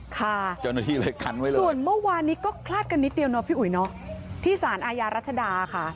ค่ะส่วนเมื่อวานนี้ก็คลาดกันนิดเดียวเนอะพี่อุ๋ยเนอะที่สารอาญารัชดาค่ะ